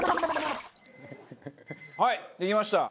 はいできました。